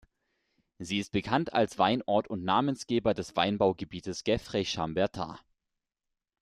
Sie ist bekannt als Weinort und Namensgeber des Weinbaugebietes Gevrey-Chambertin.